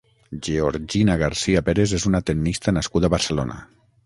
Georgina García Pérez és una tennista nascuda a Barcelona.